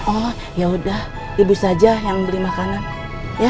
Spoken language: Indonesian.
oh yaudah ibu saja yang beli makanan ya